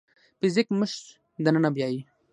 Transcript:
فزیک موږ دننه بیايي.